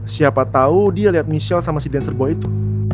siapa tau dia liat michelle sama si dancer gue itu